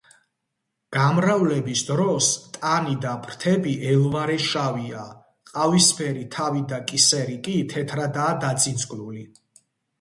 გამრავლების დროს ტანი და ფრთები ელვარე შავია, ყავისფერი თავი და კისერი კი თეთრადაა დაწინწკლული.